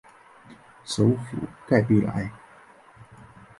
首府盖贝莱。